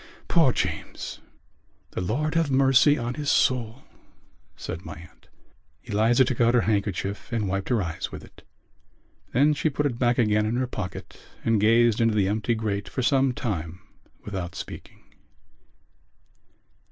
Poor James!" "The Lord have mercy on his soul!" said my aunt. Eliza took out her handkerchief and wiped her eyes with it. Then she put it back again in her pocket and gazed into the empty grate for some time without speaking.